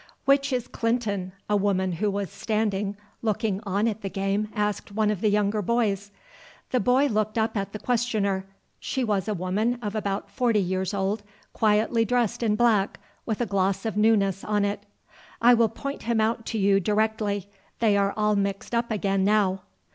"Which is Clinton?" a woman who was standing looking on at the game asked one of the younger boys. The boy looked up at the questioner. She was a woman of about forty years old, quietly dressed in black with a gloss of newness on it. "I will point him out to you directly. They are all mixed up again now."